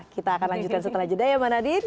kita akan lanjutkan setelah jeda ya mbak nadir